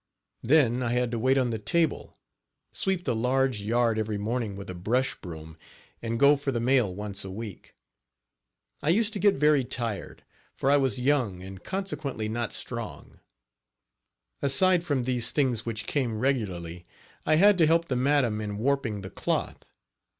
Then I Page 18 had to wait on the table; sweep the large yard every morning with a brush broom and go for the mail once a week. I used to get very tired, for I was young and consequently not strong. Aside from these things which came regularly, I had to help the madam in warping the cloth.